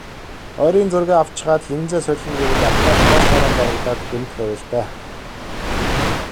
Ойрын зургаа авчхаад линзээ солино гэвэл аппарат тоос шороонд дарагдаад гэмтэх аюултай.